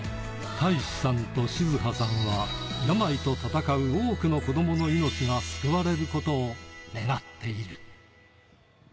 太志さんと静葉さんは病と闘う多くの子どもの命が救われることを願っている。